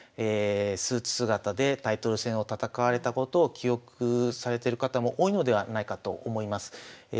スーツ姿でタイトル戦を戦われたことを記憶されてる方も多いのではないかと思います。